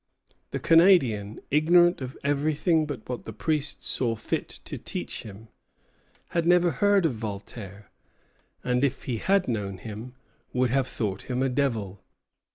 The Canadian, ignorant of everything but what the priest saw fit to teach him, had never heard of Voltaire; and if he had known him, would have thought him a devil.